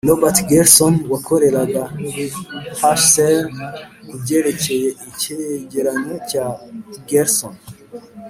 robert gersony wakoreraga hcr ku byerekeye icyegeranyo cya gersony